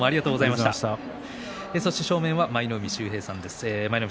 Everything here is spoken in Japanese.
正面は舞の海秀平さんです。